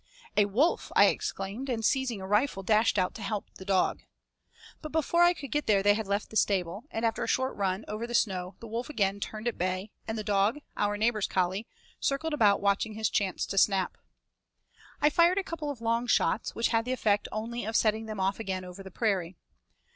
"A wolf," I exclaimed, and seizing a rifle dashed out to help the dog. But before I could get there they had left the stable, and after a short run over the snow the wolf again turned at bay, and the dog, our neighbor's collie, circled about watching his chance to snap. I fired a couple of long shots, which had the effect only of setting them off again over the prairie.